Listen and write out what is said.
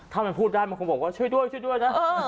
ถ้ามันพูดได้มันคงบอกว่าช่วยด้วยช่วยด้วยนะ